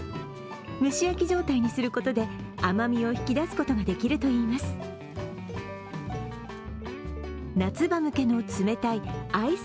蒸し焼き状態にすることで、甘みを引き出すことができるといいます。